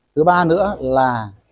thứ ba nữa là